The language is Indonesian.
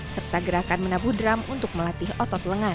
serta gerakan menabuh drum untuk melatih otot lengan